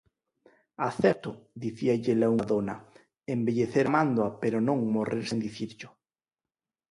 Acepto –dicíalle el a unha dona– envellecer amándoa, pero non morrer sen dicirllo.